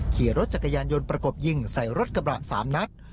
ขี่รถจากกายารยนต์ประกบยิงใส่รถกระเป๋า๓นัท